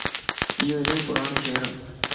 ايو الائي پراڻو شھر